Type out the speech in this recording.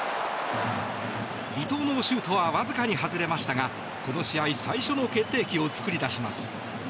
伊東のシュートはわずかに外れましたがこの試合、最初の決定機を作り出します。